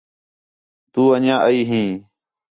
تو انڄیاں ائی ہیں